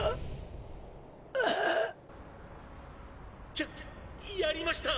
「ややりました」。